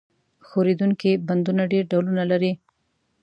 ښورېدونکي بندونه ډېر ډولونه لري.